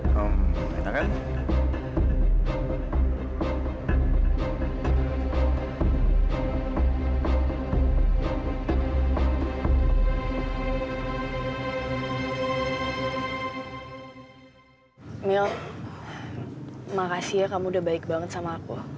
sampai jumpa di video selanjutnya